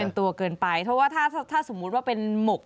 เป็นตัวเกินไปเพราะว่าถ้าสมมุติว่าเป็นหมก